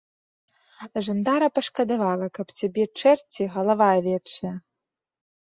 Жандара пашкадавала, каб цябе чэрці, галава авечая.